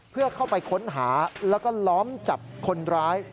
เพื่อเข้าไปค้นหาแล้วก็ล้อมจับคนร้าย